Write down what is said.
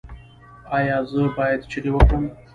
ایا زه باید چیغې وکړم؟